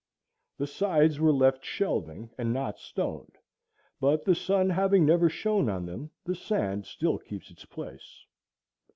The sides were left shelving, and not stoned; but the sun having never shone on them, the sand still keeps its place.